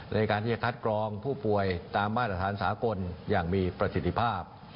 ในการที่จะคัดกรองผู้ป่วยตามมาตรฐานสากลอย่างมีประสิทธิภาพ